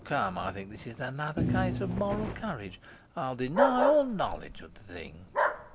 O, come, I think this is another case of moral courage! I'll deny all knowledge of the thing.